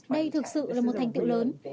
đây thực sự là một thành tựu lớn